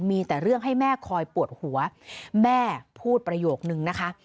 มีแต่เรื่องให้แม่คอยปวดหัวแม่พูดประโยคนึงนะคะ